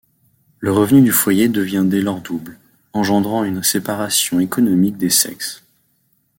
Le revenu du foyer devient dès lors double, engendrant une séparation économique des sexes.